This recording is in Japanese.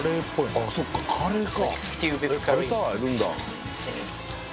あそっかカレーか。